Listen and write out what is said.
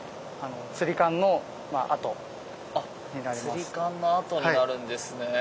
あ吊り環の跡になるんですね。